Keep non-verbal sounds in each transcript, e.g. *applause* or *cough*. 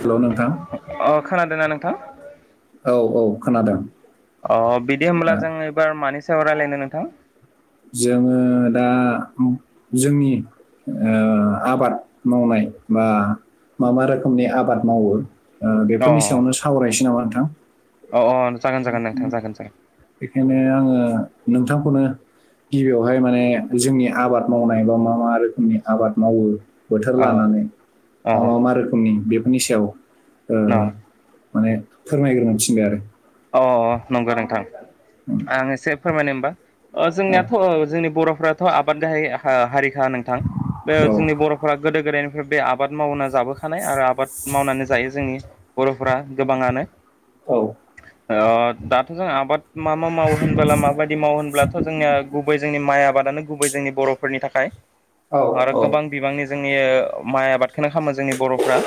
Hello नोंथां अ खोनादोंना नोंथां? औ औ खोनादों। अ बिदि होनोमब्ला ओ जों एबार मानि सायाव राय्लायनो नोंथां? जोङो दा जोंनि ओ आबाद मावनाय बा मा मा रोखोमनि आबाद मावो ओ अ बेफोरनि सायावनो सावरायनोसै नामा नोंथां अ जागोन जागोन नोंथां जागोन जागोन बेखायनो आङो नोंथांखौनो गिबियावहाय माने जोंनि आबाद मावनाय बा मा मा रोखोमनि आबाद मावो बोथोर अ लानानै अ बा मा मा रोखोमनि बेफोरनि सायाव ओ न माने फोरमायग्रोनो थिनबाय आरो अ नंगौ नोंथां आं एसे फोरमायनो होमबा ओ जोंनियाथ' औ जोंनि बर'फ्राथ' आबाद गाहाय हारि खा‌ नोंथां बे जोंनि औ बर'फोरा गोदो गोदायनिफ्राय बे आबाद मावना जाबोखानाय आरो आबाद मावनानै जायो जोंनि बर'फोरा गोबाङानो औ ओ दाथ' जों आबाद मा मा मावो होनबोला माबायदि मावो होनब्लाथ' जोंनिया गुबै जोंनि माइ आबाद दानो गुबै जोंनि बर'फोरनि थाखाय औ आरो औ गोबां बिबांनि जोंनि माइ आबाद खोनो खामो जोंनि बर'फ्रा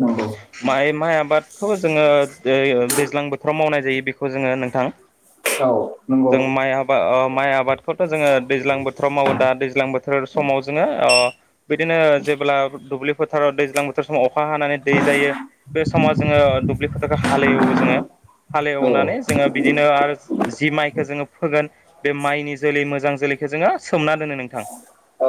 नंगौ माइ माइ आबादखौ जोङो ओइ दैज्लां बोथोराव मावनाय जायो बेखौ जोङो नोंथां औ नंगौ जों माइ आबा ओ माइ आबादखौथ' जोङो दैज्लां बोथोराव मावो दा दैज्लां बोथोर समाव जोङो अ बिदिनो जेबोब्ला दुब्लि फोथाराव दैज्लां बोथोर समाव अखा हानानै दै जायो बे समाव जोङो दुब्लि फोथारखौ हालेवो जोङो। औ हालेवनानै जोङो बिदिनो आरो जि माइखौ जोङो फोगोन बे माइनि जोलै मोजां जोलैखौ जोङो सोमना दोनो नोंथां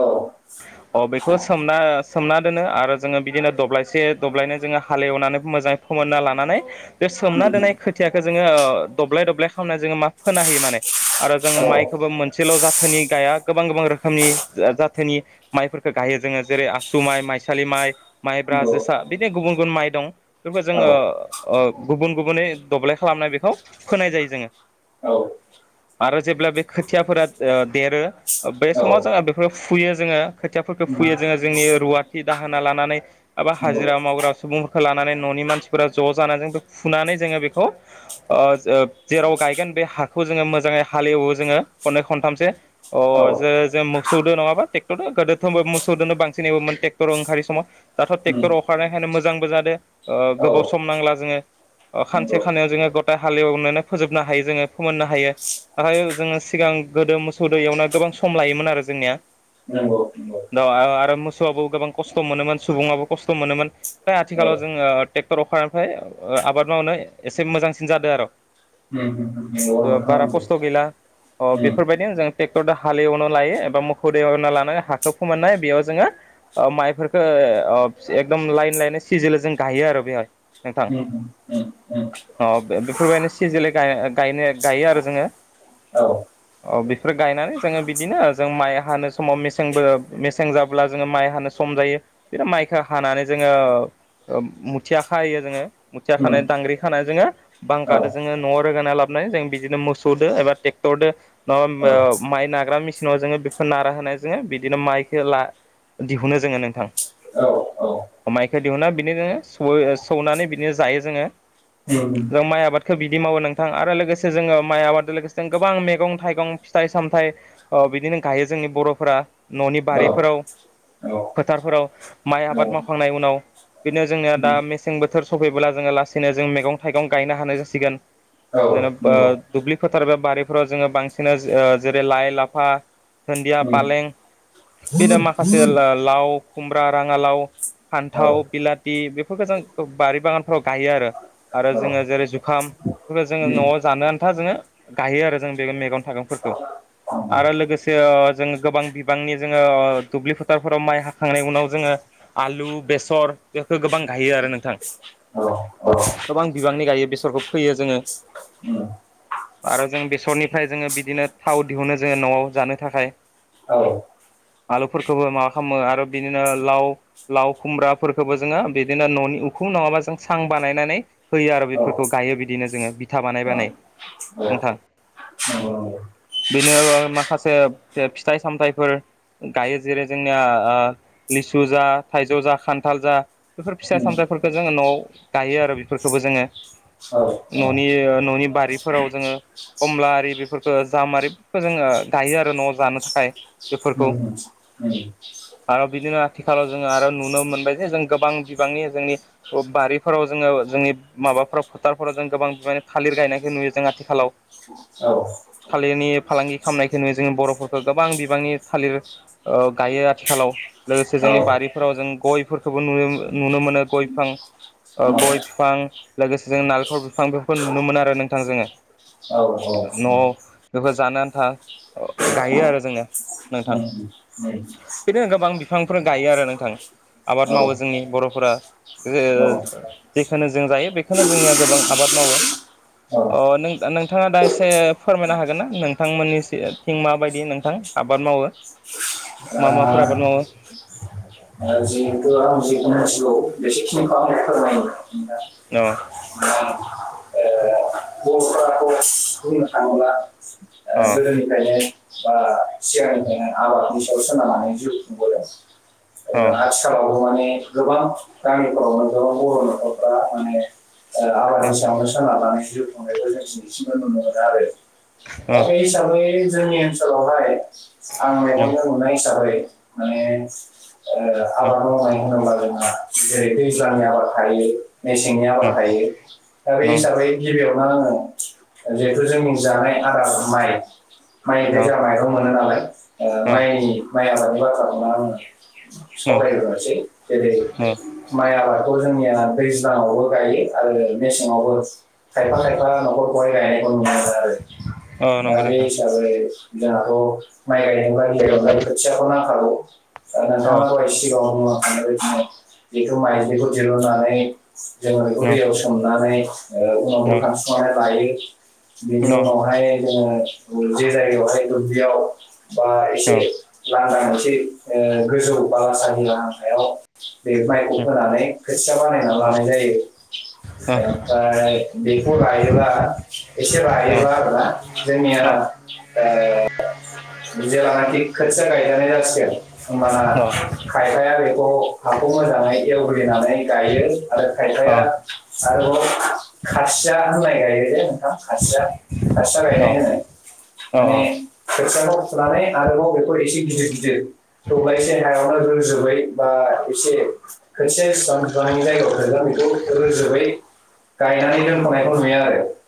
*inaudible* अ बेखौ सोमना सोमना दोनो आरो जोङो बिदिनो दब्लायसे दब्लायनै जोङो हालेवनानै मोजाङै फोमोनना लानानै बे सोमना दोननाय नोंथां खोथियाखो जोङो ओ दब्लाय-दब्लाय खालामना जोङो मा फोना होयो माने आरो जों औ माइखौबो मोनसेल' जात। थनि गाया गोबां-गोबां रोखोमनि जाथोनि माइफोरखो गायो जोङो जेरै आसु माइ, माइसालि माइ। माइ-माइब्रा, नंगौ जोसा बिदि गुबुन-गुबुन माइ दं बेखो औ जोङो ओ गुबुन-गुबुनै। दब्लाय खालामनाय बेखौ फोनाय जायो जोङो। *unintelligible* आरो जेब्ला बे खोथियाफोरा ओ देरो बे औ समाव जोंहा बेफोरखो फुयो जोङो खोथियाफोरखो। फुयो नंगौ जोङो जोंनि रुवाथि, दाहोना लानानै बबा हाजिरा मावग्रा सुबुंफोरखौ लानानै न'नि मानसिफोरा। ज' जानानै जों बे फुनानै जोङो बेखौ। खौ ओ जेराव गायगोन बे हाखौ जोङो मोजाङै हालेवो जोङो खननै खनथामसो‌ अ! औ जो जों मोसौदो नङाबा ट्रेक्टरदो गोदोथ' मोसौदोनो बांसिन एवोमोन ट्रेक्टर ओंखारै सम। दाथ' ट्रेक्टर नंगौ अखारनायखायनो मोजांबो जादो ओ गोबाव सम नांला जोङो अ खान। नंगौ से खानायाव जोङो गताइ हालेवनानै फोजोबनो हायो जोङो फोमोननो हायो। दाहाय जोङो सिगां गोदो मोसौदो एवना गोबां सम लायोमोन आरो जोंनिया। नंगौ-नंगौ। दा आ-आरो मोसौआबो गोबां खस्त' मोनोमोन सुबुङाबो खस्त' मोनोमोन दा औ आथिखालाव जोङो ट्रेक्टर। अखारानिफ्राय आबाद मावनो एसे मोजांसिन जादों आरो। औ औ नंगौ औ ओ बारा खस्त' गैला अ बेफोरबायदिनो जों। ट्रेक्टरदो हालेवनो लायो एबा मोखौदो एवनो लानानै हाखौ फोमोननाय बेयाव जोङो माइफोरखो ओ। ओ अ एकदम लाइन-लाइन सिजिल जों गायो आरो बेहाय। नोंथां उम-उम। अ' बेफोरबायदि सिजिलै गा-गायनो-गायो आरो जोङो। औ। औ बेफोर गायनानै जोङो बिदिनो जों माइ हानो समाव मेसेंबो मेसें जाब्ला जोङो माइ हानो सम। सम जायो बिदिनो माइखो हानानै जोङो ओ मुथिया खायो जोङो। मुथिया खानाय दांग्रि। खाना जोङो बांखादो जोङो न'आव रोगाना लाबोनानै जों बिदिनो मोसौदो एबा ट्रेक्टरदो नङाबा। ओ माइ नाग्रा मेसिननाव जोङो बेखौ नारा होनाय जोङो बिदिनो माइखौ ला। दिहुनो जोङो नोंथां। माइखौ दिहुना बिदिनो सु सौनानै बिदिनो जायो जोङो। जों माइ *inaudible* आबादखौ बिदि मावो नोंथां आरो लोगोसे जोङो माइ आबादजों लोगोसे गोबां मैगं-थाइगं, फिथाइ सामथाइ ओ। बिदिनो गायो जोंनि बर'फोरा न'नि बारिफोराव। फोथारफोराव माइ आबाद मावखांनाय उनाव‌। बिदिनो जोंनिया दा मेसें बोथोर सफैब्ला जोङो लासैनो जों मैगं-थाइगं गायनो हानाय जासिगोन। जेन'बा दुबलि। फोथार बे बारिफोराव जोङो बांसिन जेरै लाइ-लाफा धुन्दिया पालें। बे दा माखासे ला-लाव खुमब्रा राङालाव। फान्थाव बिलाथि बेफोरखौ जों बारि बागानफोराव गायो आरो। आरो जोङो जेरै जुखाम बेफोरखौ जोङो न'आव जानो आन्था जोङो गायो आरो जों बे मेगन-थाइगं। फोरखौ‌ आरो लोगोसे अ जोङो गोबां बिबांनि जोङो ओ दुब्लि फोथारफोराव माइ हाखांनायनि उनाव जोङो। आलु, बेसर बेफोरखौ गोबां गायो आरो नोंथां। औ। गोबां बिबांनि गायो बेसरखौ फोयो जोङो। आरो जों बेसरनिफ्राय जोङो बिदिनो थाव दिहुनो जोङो न'आव जानो थाखाय। औ। आलुफोरखौबो माबा खालामो आरो बिदिनो लाव-लाव, खुमब्राफोरखौबो जोङो बिदिनो न'नि उखु। खुम नङाबा जों सां बानायनानै होयो आरो बेफोरखौ गायो बिदिनो जोङो बिथा बानाय-बानाय। *inaudible* औ। बेनो माखासे फिथाइ सामथायाइफोर गायो जेरै जोंनिया लिसु जा थाइजौ जा खान्थाल जा बेफोर फिसा दा सामथथायफोरखौ जोङो न'आव गायो आरो बेफोरखौबो जोङो न'नि न'नि बारिफोराव जोङो कमला आरि बेफोरखौ जाम आरिखौ जोङो गायो आरो न'आव जानो थाखाय *unintelligible* *inaudible* ओ बिदिनो आथिखालाव जोङो आरो नुनो मोनबाय जे जों गोबां बिबांनि जोंनि ओ बारि फोराव जोङो जोंनि माबाफोराव फोथारफोराव जों गोबां बिमानानि थालिर गायनायखौ नुयो जों आथिखालाव *inaudible* *unintelligible* थालिरनि फालांगि खालामनायखौनो जोङो बर'फोरखौ गोबां बिबांनि थालिर ओ गायो आथिखालाव लोगोसे जोंनि बारिफोराव जों गयफोरखौबो नुनो नुनो मोनो गय बिफां ओ गय बिफां लोगोसे जों नालेंखर बिफां बेफोरखौ नुनो मोनो आरो नोंथां जोङो न' बेफोर जानो आन्था गायो आरो जोङो उम बिदिनो गोबां बिफांफोर गायो आरो नोंथां । आबाद मावो जोंनि बर'फोरा ओ ओ जेखो जों जायो बेखौनो जोंनिया गोबां आबाद मावो । अ' नों नोंथाङा दा एसे फोरमायनो हागोन ना नोंथांमोननि थिं माबायदि नोंथां? आबाद मावो मा माफोर आबाद मावो *unintelligible* *inaudible* *unintelligible* *inaudible* औ बर'फोराखौ बुंनो थाङोब्ला ओ अ गोदोनिफ्रायनो बा सिगांनिफ्रायनो आबादनि सायाव सोनारनानै जिउ खुंबोदों । ओ अ आथिखालावबो माने गोबां गामिफोराव मोन गोबां बर' न'खरफ्रा माने ओ अ आबादनि सायावनो सोनारनानै जिउ खुंनायखौ जों दिनैसिमबो नुनो मोनो। आरो दा अ बे हिसाबै जोंनि ओनसोलावहाय आं अ मेगनजों नुनाय हिसाबै माने ओ आबाद अ मावनाय होनोबा जोंहा जेरै दैज्लनि आबाद थायो । मेसेंनि आबाद थायो। दा बे हिसाबै गिबियावनो आङो जिहेथु जोंनि जानाय आदार माइ माइ बे जानायखौ मोनो नालाय ओ अ माइनि माइ आबादनि बाथ्राखौनो आङो अ सावरायग्रोनोसै जेरै अ माइ आबादखौ जोंनिया दैज्लाङावबो गायो आरो मेसेंङावबो खायफा खायफा न'खर गाय गायनायखौ नुनो मोनो। आरो अ दा नंगौ बे नोंथां हिसाबै जोंहाथ' माइ गायजेनब्ला गिबियावनो खोथियाखौ नांखागौ ओ अ नोंथाङा दहाय सिगाङाव बुं लांखाबाय बेखौ माइदिखौ दिरुननानै जोङो बेखौ न दैयाव सोमनानै ओ उनाव न बोखांफिनानै लायो बेनि न उनावहाय जोङो दुल्बि जायगायावहाय दुब्लियाव बा एसे लामा मोनसे ओ गोजौ बाला सानि लामा हायाव बे माइखौ फानै खोथिया बानायना लानाय जायो । ओमफ्राय बेहर ल्बा एसे लायोबा आरो ना जोंनिया ओ जेेल्लानाखि खोथिया गायजानाय जासिगोन होमबाना खायफाया बेखौ हाखौ मोजाङै एवग्रोयो नानै गायो आरो न खायफाया आरोबाव खासिया न होननाय अ *unintelligible* *inaudible* थाबाय आरोबाव बेखौ एसे गिदिर गिदिर थुबाइ एसे हायावनो रोजोबै बा एसे खनसे सफ्रां बिफ्रांनि जायगायाव थांला बेखौ रोजोबै *unintelligible*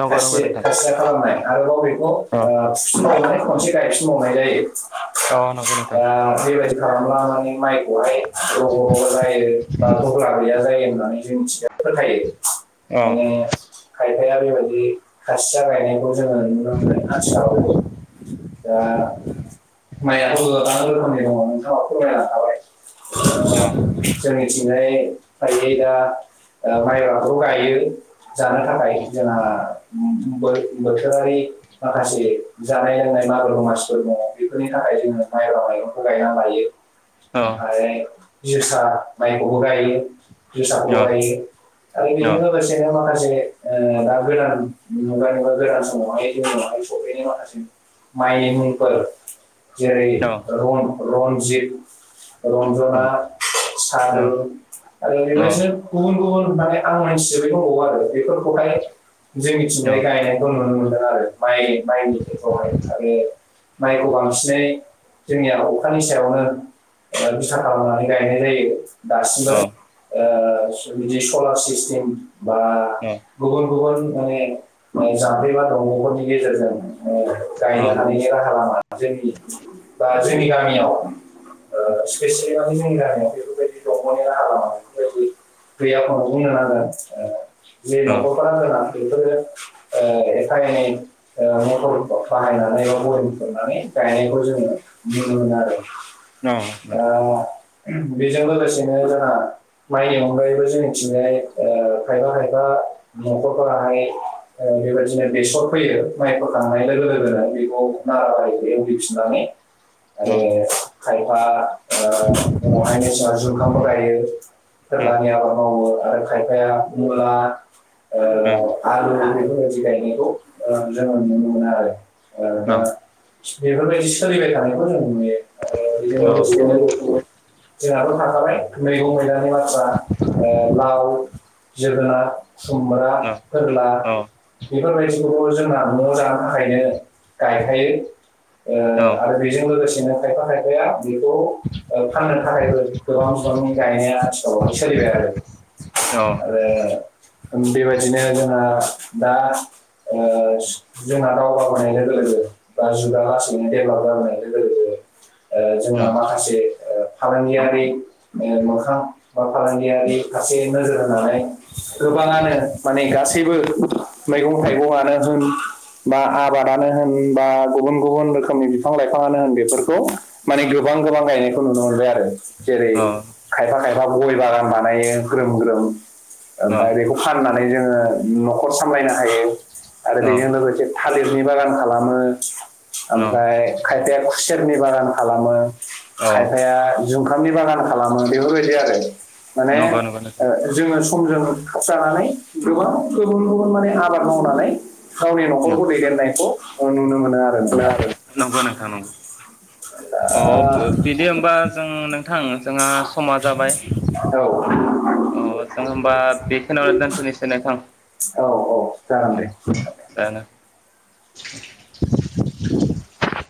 नंगौ नंगौ खासि नोंथां खासिया खालामनाय आरोबाव बेखौ ओ अ फुफिनबावनाय खनसे मावनाय जायो औ नंगौ नोंथां दा बेबायदि खालामब्ला माने माइखौहाय रग' रग' जायो बा गुगला गैया जायो होननानै जों मिथियो‌ बेफोर अ खायनो ओखायनो खायफाया बेबायदि खाासिया गायनायखौ जोङो नुनो मोनो आथिखालावबो औ माइयाबो गोबां रोखोमनि दङ नोंथाङा *inaudible* औ जैरै फारियै दा माइब्राखौ गायो जानो थाखाय जोंहा उम‌ बो बोथोरारि माखासे जानाय लोंनाय जोंहा मागो दमासिफोर दङ बेफोरनि थाखाय जोङो माइब्रा माइरंखौ गायना लायो न ओमफाय जोसा माइखौबो गायो जोसाखौबो गायो आरो न बेजों लोगोसेनो माखासे ओ दा गोदान मुगा एबा गोदान समावहाय जों बेनि माखासे माइनि मुंफोर जेरै रन रनजित रनजना न सादुह आरो बेबायदिनो गुबुन गुबुन माने आं मोनथिजोबै दंबावो आरो बेफोरखौहाय न जोंनिथिंजाय गायनायखौ नुनो मोनदों आरो माइ माइनि खेथ्र'आवहाय आरो माइखौ बांसिनै जोंनिया अखानि सायावनो ओ बिथा खालामनानै गायनाय जायो दासिमबो अ ओ बिदि सलार सिस्टेम बा अ गुबुन गुबुन माने जामफै बा दंग'फोरनि गेजेरजों ओ अ गायनो हानायनि राहा लामा जोंनि बा जोंनि गामियाव ओ स्पेसेयेलि माने जोंनि गामियाव बेफोरबायदि दंगनि राहालामा बेफोरबायदि गैयाखौनो बुंनो नांगोन ओ जे अ न'खरफोरा जोंना बेफोरो ओ एफा एनै ओ मटरफोरखौ बाहायनानै बा बरिं खुरनानै गायनायखौ जोङो नुनो मोनो आरो ओ न नोंथां बेजों उम लोगोसेनो जोंहा माइनि अनगायैबो जोंनिथिंजाय ओ खायफा खायफा न'खरफोराहाय ओ बेबायदिनो बेसर फैयो माइ फोखांनाय लोगो लोगोनो बेखौ नाराबारिखौ एवग्लिफिननानै अ आरो खायफा ओ उनावहाय मेसेंआव जुखामबो गायो अ फोरलानि आबाद मावो आरो खायफाया मुला ओ अ आलु बेफोरबायदि गायनायखौ ओ जोङो नुनो मोनो आरो ओ न अ दा बेफोरबायदि सोलिबाय थानायखौ जों नुयो मानि औ बेजों लोगोसेनो जोंहाथ' थाखाबाय मैगं मैलानि बाथ्रा ओ लाव जोगोनाथ खुमब्रा‌ अ अ फोरला अ बेफोरबायदि खौबो जोंहा न'आव जानो थाखायनो गायखायो ओ न आरो बेजों लोगोसेनो खायफा खायफाया बेखौ ओ फाननो थाखायबो गोबां बिबांनि गायनाया आथिखालावहाय सोलिबाय आरो अ आरो उम बेबायदिनो जोंहा दा ओ जोंहा दावगाबोनाय लोगो लोगो लोगो बा जुगा लासैनो देहभालप जाबोनायजों लोगो लोगो ओ जोंना माखासे ओ फालांगियारि मोखां बा फालांगियारि फारसे नोजोर होनानै गोबांआनो माने गासैबो मैगं थाइगंआनो होन बा आबाद नो होन बा गुबन गुबन रोखोमनि बिफां लाइफाङानो होन बेफोरखौ माने गोबां गोबां गायनायखौ नुनो मोनबाय आरो जेरै खायफा खायफा गय बागान बानायो ग्रोम ग्रोम आमफाय बेखौ फाननानै जोङो न'खर सामलायनो हायो आरो न बेजों लोगोसे थालिर नि बागान खालामो न ओमफ्राय खायफाया खुसेरनि बागान खालामो अ खायफाया जुंखामनि बागान खालामो बेफोरबायदि आरो। माने नंगौ नंगौ ओ नोंथां जोङो समजों खाबजानानै गोबां गुबुन गुबुन माने आबाद मावनानै गावनि न'खरखौ दैदेन नायखौ नुनो मोनो आरो नोंथां। नंगौ नोंथां नंगौ। अ *unintelligible* बिदि होमबा जों नोंथां जोंहा समा जाबाय। ओ, अ जों होमबा बेखोनो दोनथ'नोसै नेथां। ओ जागोन दे। *unintelligible*